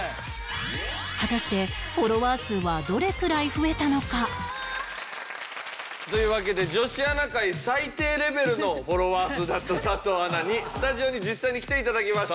果たしてフォロワー数はどれくらい増えたのか？というわけで女子アナ界最低レベルのフォロワー数だった佐藤アナにスタジオに実際に来て頂きました。